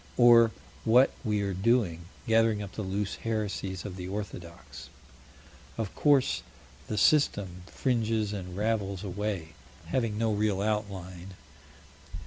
Or what we are doing gathering up the loose heresies of the orthodox. Of course "the System" fringes and ravels away, having no real outline.